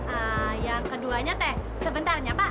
eh yang keduanya teh sebentarnya pak